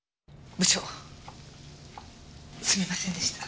部長すみませんでした。